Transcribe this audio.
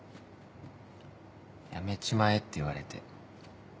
辞めちまえって言われて。